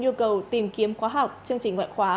nhu cầu tìm kiếm khóa học chương trình ngoại khóa